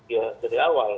ya dari awal